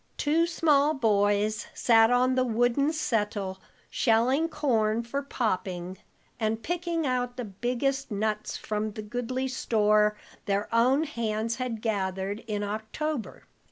Two small boys sat on the wooden settle shelling corn for popping, and picking out the biggest nuts from the goodly store their own hands had gathered in October.